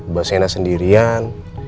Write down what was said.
mbak siena sendirian